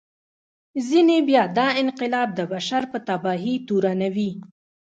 ځینې بیا دا انقلاب د بشر په تباهي تورنوي.